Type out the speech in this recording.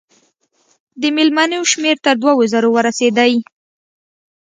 د مېلمنو شمېر تر دوو زرو ورسېدی.